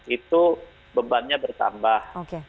itu bebannya bertambah